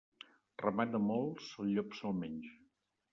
Ramat de molts, el llop se'l menja.